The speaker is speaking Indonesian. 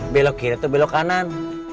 belok kiri atau belok kanan